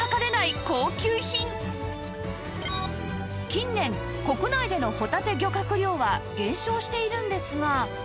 近年国内でのほたて漁獲量は減少しているんですが